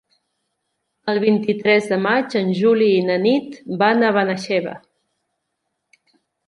El vint-i-tres de maig en Juli i na Nit van a Benaixeve.